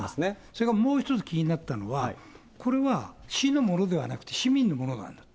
それからもう一つ気になったのは、これは市のものではなくて、市民のものなんだ。